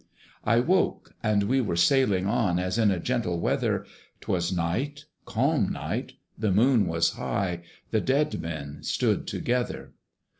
I woke, and we were sailing on As in a gentle weather: 'Twas night, calm night, the Moon was high; The dead men stood together.